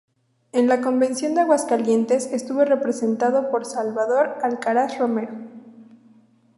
En la Convención de Aguascalientes estuvo representado por Salvador Alcaraz Romero.